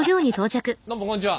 どうもこんにちは。